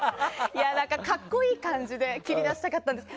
格好いい感じで切り出したかったんです。